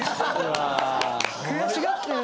悔しがってる。